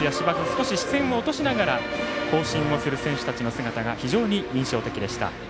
少し視線を落としながら行進をする選手たちの姿が非常に印象的でした。